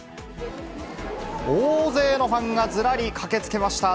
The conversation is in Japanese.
大勢のファンがずらり駆けつけました。